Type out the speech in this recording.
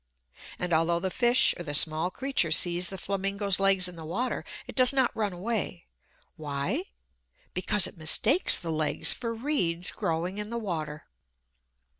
And although the fish or the small creature sees the flamingo's legs in the water, it does not run away. Why? Because it mistakes the legs for reeds growing in the water!